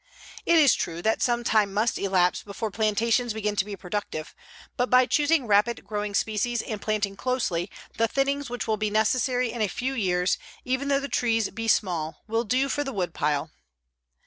It is true that some time must elapse before plantations begin to be productive, but by choosing rapid growing species and planting closely, the thinnings which will be necessary in a few years, even though the trees be small, will do for the woodpile.